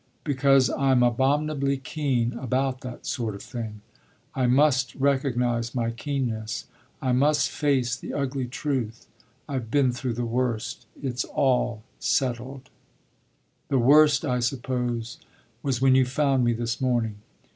"Because I'm abominably keen about that sort of thing I must recognise my keenness. I must face the ugly truth. I've been through the worst; it's all settled." "The worst, I suppose, was when you found me this morning."